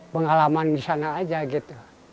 pengalaman di sana aja gitu